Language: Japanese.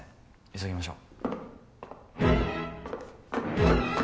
急ぎましょう！